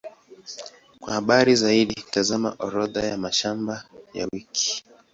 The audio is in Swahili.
Kwa habari zaidi, tazama Orodha ya mashamba ya wiki.